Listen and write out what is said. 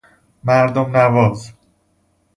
مردم نواز